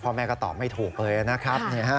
แม่ก็ตอบไม่ถูกเลยนะครับ